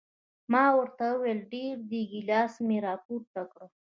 ما ورته وویل ډېر دي، ګیلاس مې را پورته کړ.